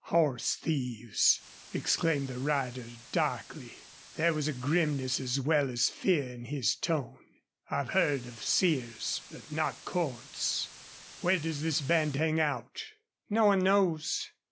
"Horse thieves!" exclaimed the rider, darkly. There was a grimness as well as fear in his tone. "I've heard of Sears, but not Cordts. Where does this band hang out?" "No one knows.